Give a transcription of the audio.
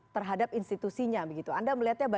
terhadap institusinya anda melihatnya